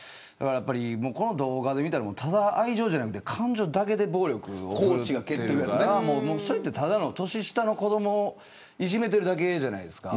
この動画で見たら愛情じゃなくて感情だけで暴力を振るってるからそれって、ただ子どもをいじめてるだけじゃないですか。